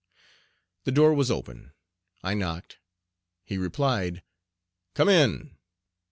The door was open. I knocked. He replied, "Come in."